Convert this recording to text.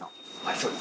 そうです。